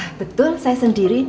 ah betul saya sendiri